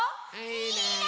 いいね！